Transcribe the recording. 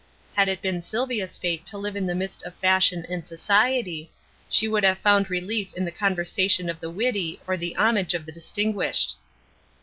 Had it been Sylvia's fate to live in the midst of fashion and society, she would have found relief in the conversation of the witty, or the homage of the distinguished.